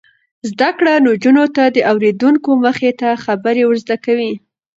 زده کړه نجونو ته د اوریدونکو مخې ته خبرې ور زده کوي.